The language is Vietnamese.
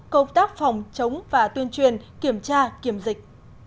công tác phòng chống và tuyên truyền kiểm tra kiểm dịch